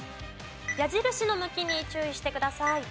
矢印の向きに注意してください。